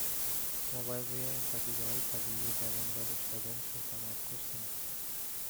ما باید روی این پدیدههای طبیعیِ بدن و رشد دادنشون تمرکز کنیم.